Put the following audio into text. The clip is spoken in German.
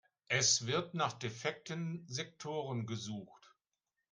Es wird nach defekten Sektoren gesucht.